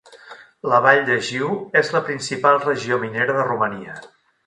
La vall de Jiu és la principal regió minera de Romania.